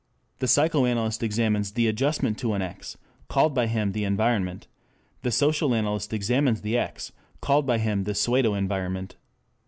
The psychoanalyst examines the adjustment to an X, called by him the environment; the social analyst examines the X, called by him the pseudo environment.